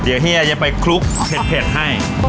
เดี๋ยวเฮียจะไปคลุกเผ็ดให้